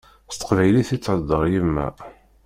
S teqbaylit i theddeṛ yemma.